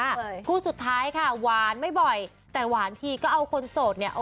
เลยคู่สุดท้ายค่ะหวานไม่บ่อยแต่หวานทีก็เอาคนโสดเนี่ย